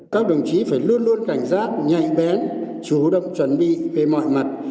các đồng chí phải luôn luôn cảnh giác nhạy bén chủ động chuẩn bị về mọi mặt